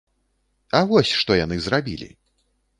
А вось што яны зрабілі!